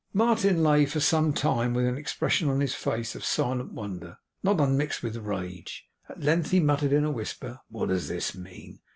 Martin lay for some time, with an expression on his face of silent wonder, not unmixed with rage; at length he muttered in a whisper: 'What does this mean?